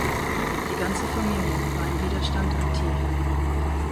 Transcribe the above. Die ganze Familie war im Widerstand aktiv.